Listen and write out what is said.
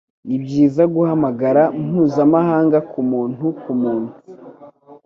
Nibyiza guhamagara mpuzamahanga kumuntu kumuntu